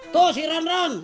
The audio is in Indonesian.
tuh si ronron